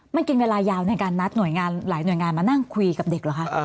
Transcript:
มันกินเวลายาวในการนัดหน่วยงานหลายหน่วยงานมานั่งคุยกับเด็กเหรอคะ